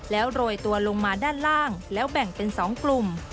แล้วโรยตัวลงมาด้านล่างแล้วแบ่งเป็น๒กลุ่ม